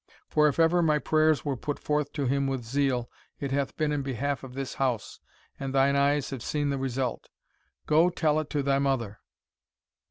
For if ever my prayers were put forth to him with zeal, it hath been in behalf of this house, and thine eyes have seen the result go tell it to thy mother."